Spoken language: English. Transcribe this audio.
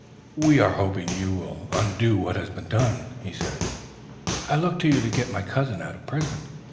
"We are hoping you will undo what has been done," he said. "I look to you to get my cousin out of prison.